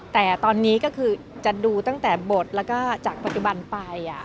แต่ตอนนี้ก็คือจะดูตั้งแต่บทแล้วก็จากปัจจุบันไป